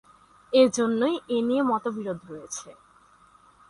এজন্যই এ নিয়ে মতবিরোধ রয়েছে।